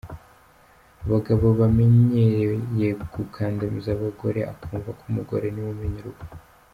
Abagabo bamenyereye gukandamiza abagore akumva ko umugore niwe umenya urugo.